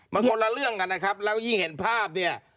มันคนละเรื่องกันนะครับแล้วยิ่งเห็นภาพเนี่ย